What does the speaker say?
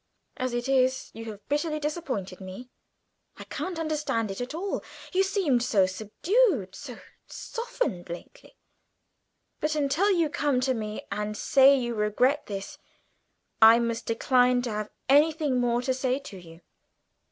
As it is, you have bitterly disappointed me; I can't understand it at all. You seemed so subdued, so softened lately. But until you come to me and say you regret this, I must decline to have anything more to say to you.